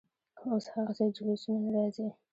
خو اوس هغسې جلوسونه نه راځي.